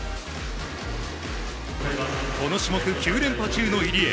この種目９連覇中の入江。